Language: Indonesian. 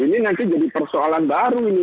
ini nanti jadi persoalan baru ini